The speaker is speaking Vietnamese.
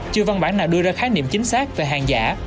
chưa văn bản nào đưa ra khái niệm chính xác về hàng giả